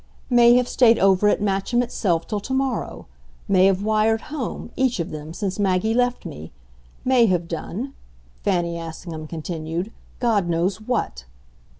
"May have stayed over at Matcham itself till tomorrow. May have wired home, each of them, since Maggie left me. May have done," Fanny Assingham continued, "God knows what!"